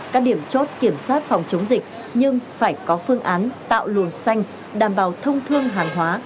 các điểm chốt kiểm soát phòng chống dịch nhưng phải có phương án tạo luồng xanh đảm bảo thông thương hàng hóa